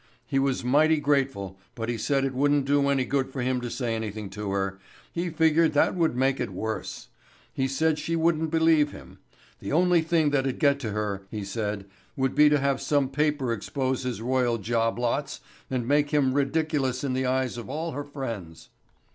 He was mighty grateful, but he said it wouldn't do any good for him to say anything to her. He figured that would make it worse. He said she wouldn't believe him. The only thing that'd get to her, he said, would be to have some paper expose his royal job lots and make him ridiculous in the eyes of all her friends.